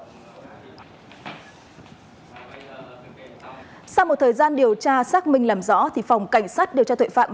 sau một thời gian điều tra xác minh làm rõ thì phòng cảnh sát điều tra tội phạm